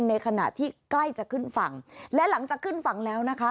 ในขณะที่ใกล้จะขึ้นฝั่งและหลังจากขึ้นฝั่งแล้วนะคะ